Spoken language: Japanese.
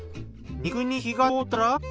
肉に火が通ったら。